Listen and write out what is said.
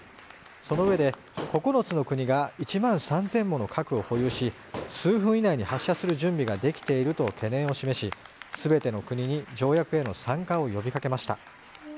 そのうえで９つの国が１万３０００もの核を保有し数分以内に発射する準備ができていると懸念を示し、全ての国に条約への参加を呼びかけました。